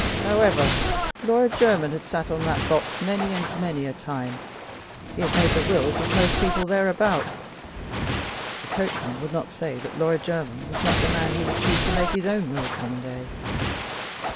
However, Lawyer Jermyn had sat on that box seat many and many a time. He had made the wills of most people thereabout. The coachman would not say that Lawyer Jermyn was not the man he would choose to make his own will some day.